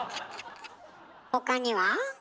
他には？